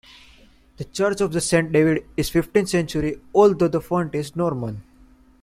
The church of Saint David is fifteenth century, although the font is Norman.